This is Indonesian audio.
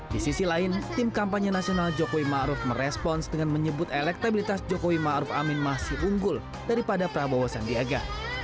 di sisi lain tim kampanye nasional jokowi ⁇ maruf ⁇ merespons dengan menyebut elektabilitas jokowi ⁇ maruf ⁇ amin masih unggul daripada prabowo sandiaga